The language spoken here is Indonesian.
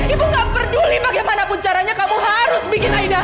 ibu gak peduli bagaimanapun caranya kamu harus bikin aida